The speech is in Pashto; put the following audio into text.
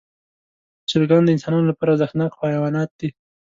چرګان د انسانانو لپاره ارزښتناک حیوانات دي.